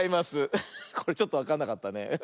これちょっとわかんなかったね。